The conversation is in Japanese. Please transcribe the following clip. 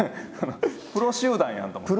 プロ集団やんと思って。